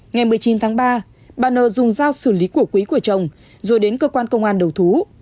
ngày một mươi chín tháng ba bà nơ dùng dao xử lý cổ quý của chồng rồi đến cơ quan công an đầu thú